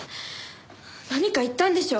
何か言ったんでしょ